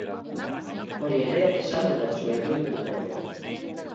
Hori ere esanguratsua iruditu zaigu.